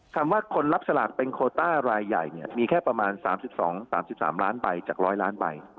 คำว่าคนรับสลากเป็นโคต้ารายใหญ่เนี่ยมีแค่ประมาณสามสิบสองสามสิบสามล้านใบจากร้อยล้านใบ